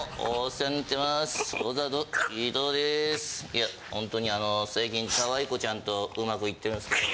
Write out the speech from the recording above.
いやホントにあの最近かわいこちゃんと上手くいってるんですけど。